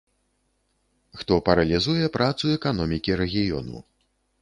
Хто паралізуе працу эканомікі рэгіёну.